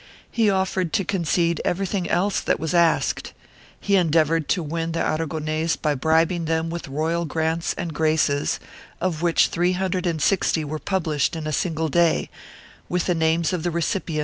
He offered to concede everything else that was asked; he endeavored to win the Aragonese by bribing them with royal grants and graces, of which three hundred and sixty were published in a single day, with the names of the recipients, 1 Bibl.